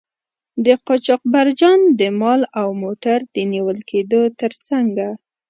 د قاچاقبرجان د مال او موټر د نیول کیدو تر څنګه.